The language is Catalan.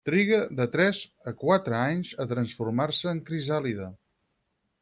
Triga de tres a quatre anys a transformar-se en crisàlide.